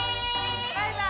バイバーイ！